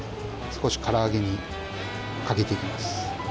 少し唐揚げにかけて行きます。